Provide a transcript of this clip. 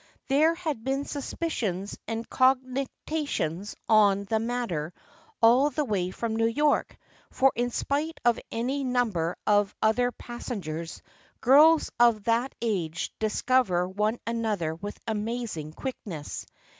There had been suspicions and cogitations on the matter all the way from New York, for in spite of any number of other passengers, girls of that age dis cover one another with amazing quickness.